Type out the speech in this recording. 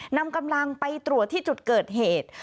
นำกำลังไปตรวจที่จุดเกิดเหตุ